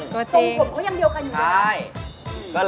ตัวจริงตัวจริงส่งผมก็ยังเดียวกันอยู่ดีกว่าใช่